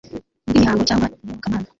urw'imihango cyangwa iyobokamana.